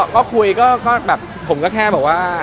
ก็คุยก็แบบผมก็แค่บอกว่า